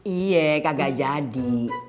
iya kagak jadi